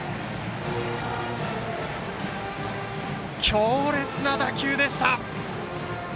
強烈な打球でした。